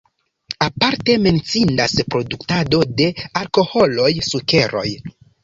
Aparte menciindas produktado de alkoholoj, sukeroj.